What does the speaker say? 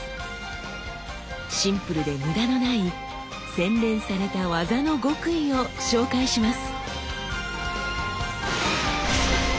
シンプルで無駄のない洗練された技の極意を紹介します。